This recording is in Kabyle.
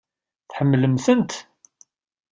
Tḥemmlem-tent?